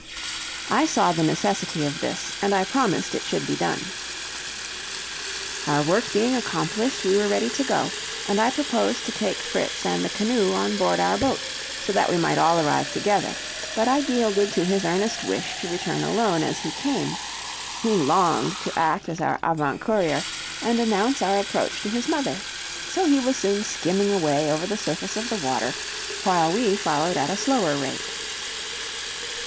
I saw the necessity of this, and I promised it should be done. Our work being accomplished, we were ready to go, and I proposed to take Fritz and the canoe on board our boat, so that we might all arrive together; but I yielded to his earnest wish to return alone as he came; he longed to act as our avant courier, and announce our approach to his mother; so he was soon skimming away over the surface of the water, while we followed at a slower rate.